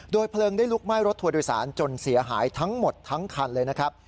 เพลิงได้ลุกไหม้รถทัวร์โดยสารจนเสียหายทั้งหมดทั้งคันเลยนะครับ